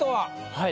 はい。